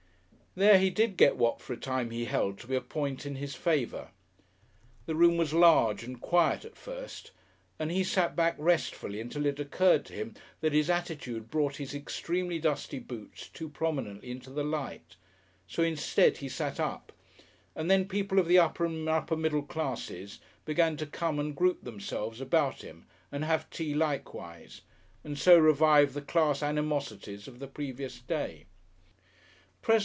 There he did get what for a time he held to be a point in his favour. The room was large and quiet at first, and he sat back restfully until it occurred to him that his attitude brought his extremely dusty boots too prominently into the light, so instead he sat up, and then people of the upper and upper middle classes began to come and group themselves about him and have tea likewise, and so revive the class animosities of the previous day.